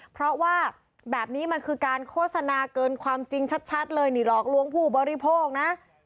เพราะว่าแบบนี้มันคือการโฆษณาเกินความจริงชัดเลยนี่หลอกลวงผู้บริโภคนะ